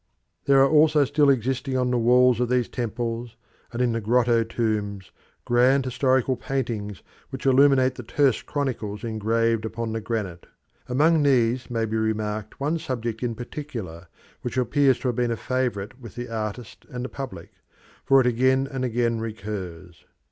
There are also still existing on the walls of the temples, and in the grotto tombs, grand historical paintings which illuminate the terse chronicles engraved upon the granite. Among these may be remarked one subject in particular which appears to have been a favourite with the artist and the public, for it again and again recurs.